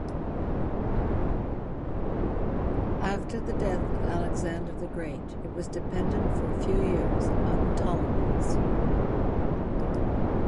After the death of Alexander the Great it was dependent for a few years on the Ptolemies.